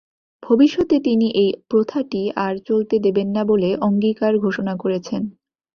ভবিষ্যতে তিনি এই প্রথাটি আর চলতে দেবেন না বলে অঙ্গীকার ঘোষণা করেছেন।